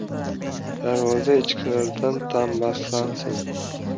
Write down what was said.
— Darvoza ichkaridan tambalansin.